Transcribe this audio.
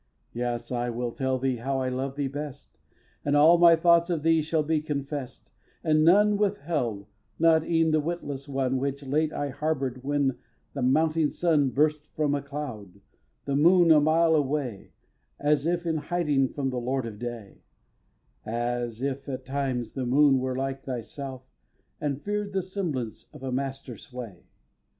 xiii. Yes, I will tell thee how I love thee best, And all my thoughts of thee shall be confess'd And none withheld, not e'en the witless one Which late I harbor'd when the mounting sun Burst from a cloud, the moon a mile away, As if in hiding from the lord of day, As if, at times, the moon were like thyself, And fear'd the semblance of a master's sway.